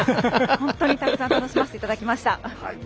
本当に、たくさん楽しませていただきました。